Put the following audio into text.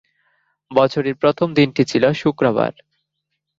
বছরের প্রথম দিনটি ছিল শুক্রবার।